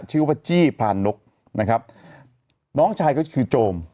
ชื่อว่าจี้พรานนกนะครับน้องชายก็คือโจม